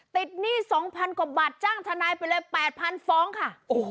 หนี้๒๐๐๐กว่าบาทจ้างทนายไปเลย๘๐๐ฟ้องค่ะ